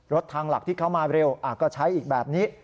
ทางหลักที่เขามาเร็วก็ใช้อีกแบบนี้